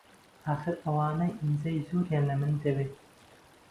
ئاخر ئەوانە ئیمزای زۆریان لە من دەوێ!